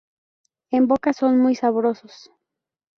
En boca son muy sabrosos.